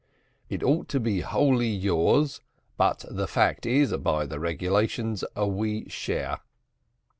"It ought to be wholly yours; but the fact is, by the regulations, we share."